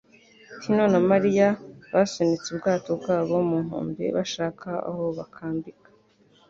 Tino na Mariya basunitse ubwato bwabo ku nkombe, bashaka aho bakambika.